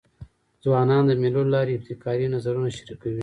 ځوانان د مېلو له لاري ابتکاري نظرونه شریکوي.